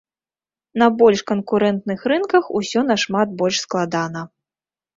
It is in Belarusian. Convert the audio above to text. На больш канкурэнтных рынках усё нашмат больш складана.